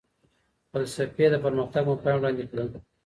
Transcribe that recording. فلسفې د پرمختګ مفاهیم وړاندې کړل.